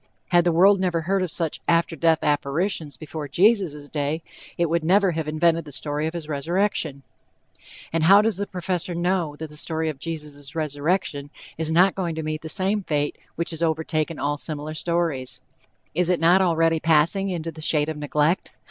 Had the world never heard of such after death apparitions before Jesus' day, it would never have invented the story of his resurrection. And how does the Professor know that the story of Jesus' resurrection is not going to meet the same fate which has overtaken all other similar stories? Is it not already passing into the shade of neglect?